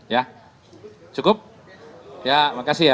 ya cukup ya makasih ya